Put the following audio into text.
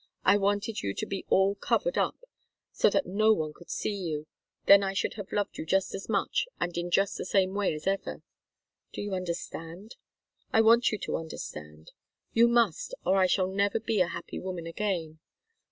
I wanted you to be all covered up, so that no one could see you then I should have loved you just as much and in just the same way as ever. Do you understand? I want you to understand. You must, or I shall never be a happy woman again.